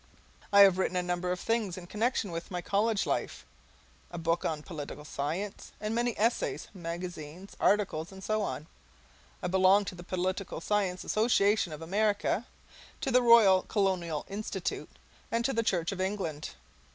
I have written a number of things in connection with my college life a book on Political Science, and many essays, magazine articles, and so on. I belong to the Political Science Association of America, to the Royal Colonial Institute, and to the Church of England.